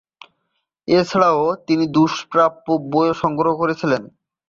এছাড়া, তিনি দুষ্প্রাপ্য বইও সংগ্রহ করেছিলেন।